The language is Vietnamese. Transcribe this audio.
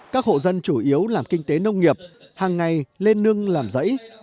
các hộ dân chủ yếu làm kinh tế nông nghiệp hàng ngày lên nương làm rẫy